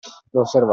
Lo osservava.